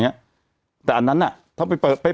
แต่หนูจะเอากับน้องเขามาแต่ว่า